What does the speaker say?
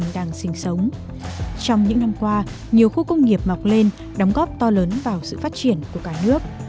trong những năm qua nhiều khu công nghiệp mọc lên đóng góp to lớn vào sự phát triển của cả nước